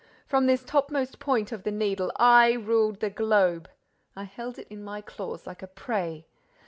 From this topmost point of the Needle, I ruled the globe! I held it in my claws like a prey!